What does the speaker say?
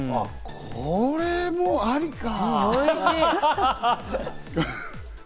これもありか！